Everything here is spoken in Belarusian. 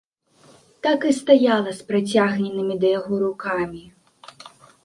Так і стаяла з працягненымі да яго рукамі.